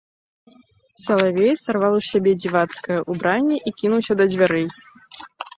Салавей сарваў з сябе дзівацкае ўбранне і кінуўся да дзвярэй.